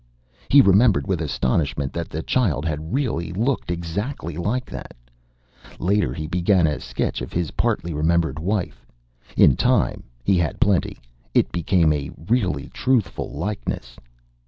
He remembered with astonishment that the child had really looked exactly like that! Later he began a sketch of his partly remembered wife. In time he had plenty it became a really truthful likeness.